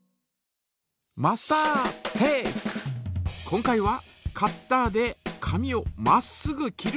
今回はカッターで紙をまっすぐ切る。